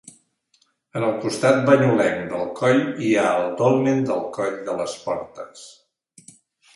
En el costat banyulenc del coll hi ha el Dolmen del Coll de les Portes.